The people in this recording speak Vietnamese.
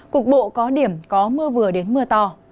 cục bộ có điểm có mưa vừa đến mưa to